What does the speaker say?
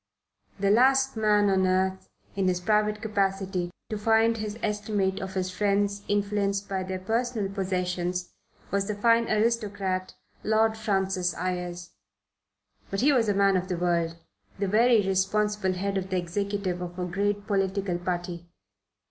The last man on earth, in his private capacity, to find his estimate of his friends influenced by their personal possessions was the fine aristocrat Lord Francis Ayres. But he was a man of the world, the very responsible head of the executive of a great political party.